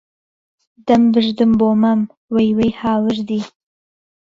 دهم بردم بۆ مهم، وهی وهی هاوردی